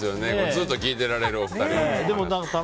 ずっと聞いてられる、お二人の話。